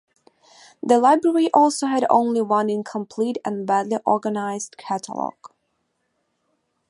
The library also had only one incomplete and badly organised catalogue.